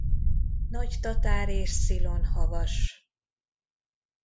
Nagy-Tatár és Szilon havas